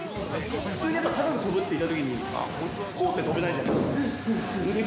普通にやっぱり、高く跳ぶってときに、こうって跳べないじゃないですか。